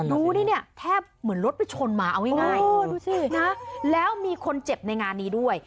ดูดิเนี่ยแทบเหมือนรถไปชนมาเอาง่ายดูสินะแล้วมีคนเจ็บในงานนี้ด้วย